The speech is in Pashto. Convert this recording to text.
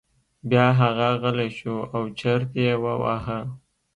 بیا هغه غلی شو او چرت یې وواهه.